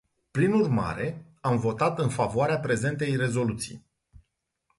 Prin urmare, am votat în favoarea prezentei rezoluții.